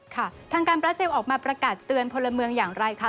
ค่ะทางการบราเซลออกมาประกาศเตือนพลเมืองอย่างไรคะ